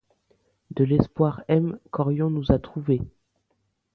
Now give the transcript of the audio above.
De l'espoir m qu'Orion nous a trouvé.